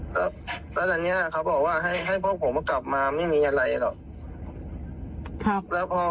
แล้วตอนนี้เขาบอกว่าให้พวกผมมากลับมาไม่มีอะไรหรอก